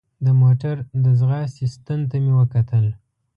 د موټر د ځغاستې ستن ته مې وکتل.